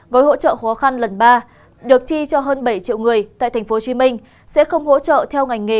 gói hỗ trợ khó khăn lần ba được chi cho hơn bảy triệu người tại tp hcm sẽ không hỗ trợ theo ngành nghề